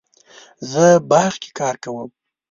زه باغ کې کار کوم